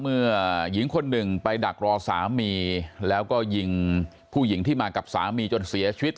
เมื่อหญิงคนหนึ่งไปดักรอสามีแล้วก็ยิงผู้หญิงที่มากับสามีจนเสียชีวิต